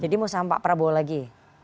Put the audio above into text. jadi mau sama pak prabowo lagi